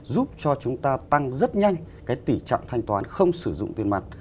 giúp cho chúng ta tăng rất nhanh cái tỉ trọng thanh toán không sử dụng tiền mặt